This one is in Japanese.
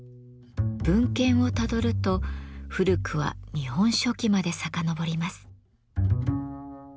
文献をたどると古くは「日本書紀」まで遡ります。